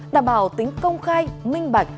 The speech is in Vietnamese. đảm bảo tính công khai minh bạch